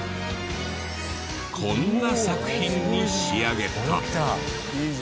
こんな作品に仕上げた。